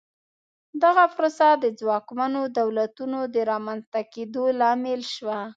دغه پروسه د ځواکمنو دولتونو د رامنځته کېدو لامل شوه.